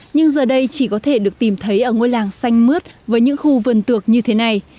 nhưng giờ đây chỉ có thể được tìm thấy ở ngôi làng xanh mướt với những khu vườn tược như thế này